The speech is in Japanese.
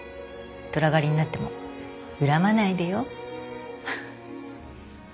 虎刈りになっても恨まないでよ？